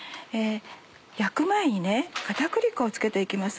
焼く前に片栗粉を付けて行きます